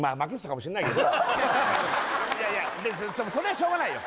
いやいやそれはしょうがないよ